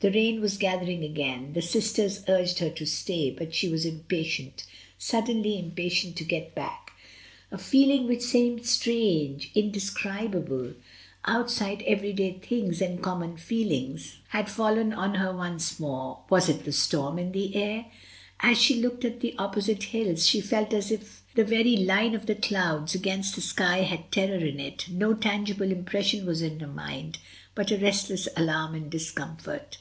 The rain was gathering again; the sisters urged her to stay, but she was impatient — suddenly impatient — to get baci. A feeling which seemed strange, indescribable, outside "the COl ONEL GOES HOME." IQ every day things and common feelings, had fallen on her oncje more; was it the storm in the air? As she looked at the opposite hiUs, she felt as if the very line of the clouds against the sky had terror in it. No tangible impression was in her mind, bnt a restless alarm and discomfort.